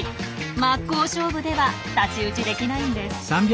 真っ向勝負では太刀打ちできないんです。